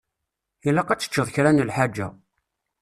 Ilaq ad teččeḍ kra n lḥaǧa.